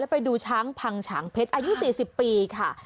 ไปดูช้างพังฉางเพชรอายุ๔๐ปีค่ะ